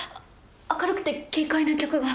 明るくて軽快な曲が。